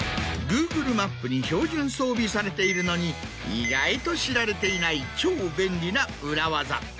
Ｇｏｏｇｌｅマップに標準装備されているのに意外と知られていない超便利な裏技。